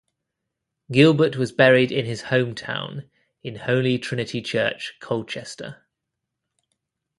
Gilbert was buried in his home town, in Holy Trinity Church, Colchester.